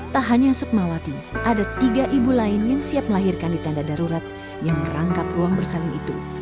tak hanya sukmawati ada tiga ibu lain yang siap melahirkan di tenda darurat yang merangkap ruang bersalim itu